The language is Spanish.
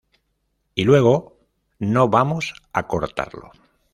Y luego: "No, vamos a cortarlo".